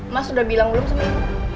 mas udah bilang belum sama ibu